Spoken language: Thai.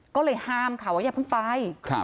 ก็เลยห้ามเขาอย่าเพิ่งไป